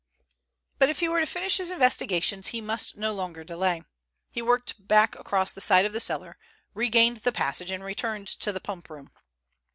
But if he were to finish his investigations, he must no longer delay. He worked back across the side of the cellar, regained the passage, and returned to the pump room.